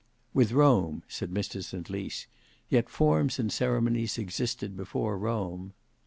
"With Rome," said Mr St Lys; "yet forms and ceremonies existed before Rome."